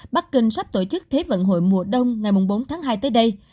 bắc kinh sắp tổ chức thế vận hội mùa đông ngày bốn tháng hai tới đây